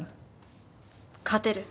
勝てる。